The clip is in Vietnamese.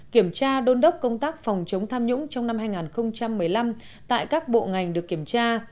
kiểm tra đôn đốc công tác phòng chống tham nhũng trong năm hai nghìn một mươi năm tại các bộ ngành được kiểm tra